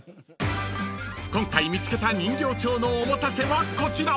［今回見つけた人形町のおもたせはこちら］